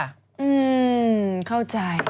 อืมเข้าใจ